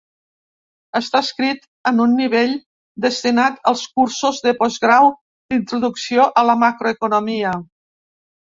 Està escrit en un nivell destinat als cursos de postgrau d'introducció a la macroeconomia.